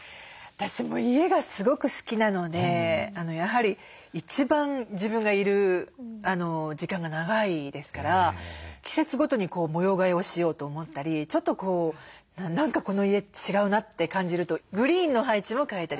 私も家がすごく好きなのでやはり一番自分がいる時間が長いですから季節ごとに模様替えをしようと思ったりちょっとこう何かこの家違うなって感じるとグリーンの配置を変えたり。